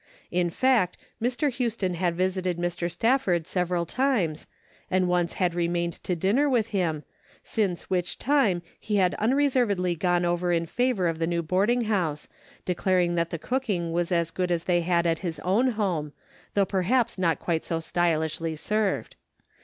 In fact, Mr. Houston had visited Mr. Stafford several times, and once had remained to dinner with him, since which time he had unreservedly gone over in favor of the new boarding house, declaring that the cooking was as good as they had at his own home, though perhaps not quite so stylishly served.